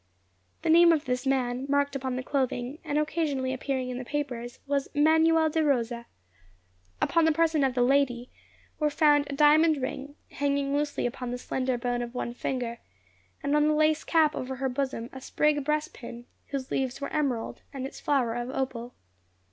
The name of this man, marked upon the clothing, and occasionally appearing in the papers, was Manuel De Rosa. Upon the person of the lady were found a diamond ring, hanging loosely upon the slender bone of one finger, and on the lace cape over her bosom a sprig breast pin, whose leaves were emerald, and its flower of opal.